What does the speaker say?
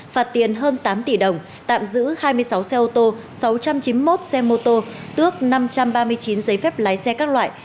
phạt tiền hơn tám tỷ đồng tạm giữ hai mươi sáu xe ô tô sáu trăm chín mươi một xe mô tô tước năm trăm ba mươi chín giấy phép lái xe các loại